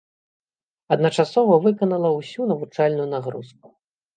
Адначасова выканала ўсю навучальную нагрузку.